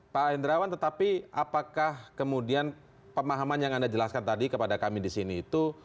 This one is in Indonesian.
pak hendrawan tetapi apakah kemudian pemahaman yang anda jelaskan tadi kepada kami di sini itu